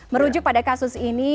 merujuk pada kasus ini